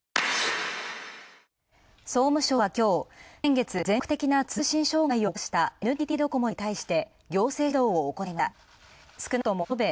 総務省はきょう、先月、全国的な通信障害を起こしたＮＴＴドコモに対して、行政指導を行いました。